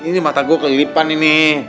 ini mata gue kelipan ini